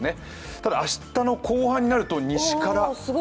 ただ明日の後半になると西から。